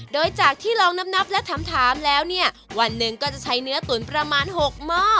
โดยจากที่ลองนับและถามแล้วเนี่ยวันหนึ่งก็จะใช้เนื้อตุ๋นประมาณ๖หม้อ